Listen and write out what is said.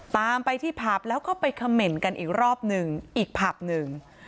ตามไปที่ผับแล้วก็ไปเขม่นกันอีกรอบหนึ่งอีกผับหนึ่ง